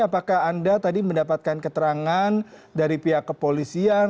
apakah anda tadi mendapatkan keterangan dari pihak kepolisian